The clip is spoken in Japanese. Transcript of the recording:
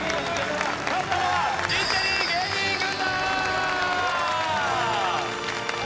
勝ったのはインテリ芸人軍団！